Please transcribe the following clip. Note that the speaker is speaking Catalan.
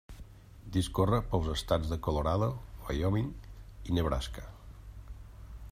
Discorre pels estats de Colorado, Wyoming i Nebraska.